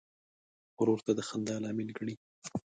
ورور ته د خندا لامل ګڼې.